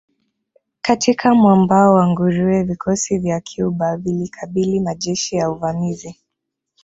Katika mwambao wa nguruwe vikosi vya Cuba vilikabili majeshi ya uvamizi